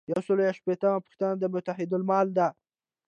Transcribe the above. یو سل او یو شپیتمه پوښتنه متحدالمال ده.